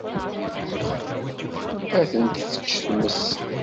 Ad ten-tečč tmes.